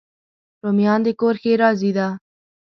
رومیان د کور ښېرازي ده